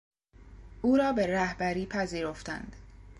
او را به رهبری پذیرفتند.